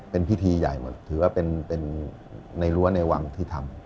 เป็นพิธีใหญ่หมดถือว่าเป็นในรั้วในวังที่ทำ